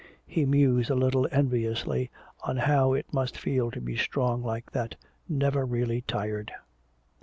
He mused a little enviously on how it must feel to be strong like that, never really tired.